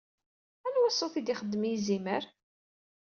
Anwa ṣṣut i d-ixeddem yizimer?